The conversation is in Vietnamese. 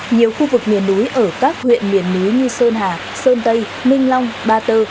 nhiều khu vực miền núi ở các huyện miền núi như sơn hà sơn tây minh long ba tơ